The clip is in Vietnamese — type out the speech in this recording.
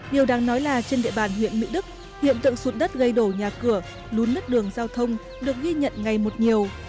điều đáng nói là trên địa bàn huyện mỹ đức hiện tượng sụt đất gây đổ nhà cửa lún nứt đường giao thông được ghi nhận ngày một nhiều